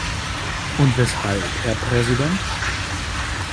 Und weshalb, Herr Präsident?